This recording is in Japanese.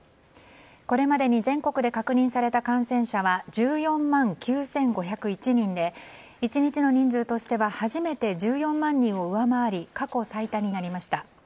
これまでに全国で確認された感染者は１４万９５０１人で１日の人数としては初めて１４万人を上回り過去最多になりました。